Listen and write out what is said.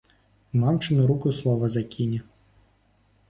У мамчыну руку слова закіне.